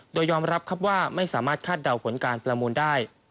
โดยยอมรับครับว่าไม่สามารถคาดเดาผลการประมูลได้